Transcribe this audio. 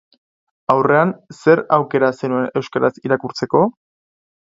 Haurrean, zer aukera zenuen euskaraz irakurtzeko?